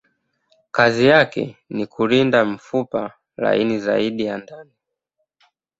Kazi yake ni kulinda mfupa laini zaidi ya ndani.